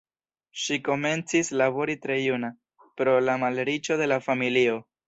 Ŝi komencis labori tre juna, pro la malriĉo de la familio.